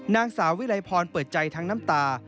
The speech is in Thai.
นางสาววิลัยพรเปิดใจทั้งน้ำตา